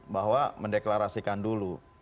bahwa mendeklarasikan dulu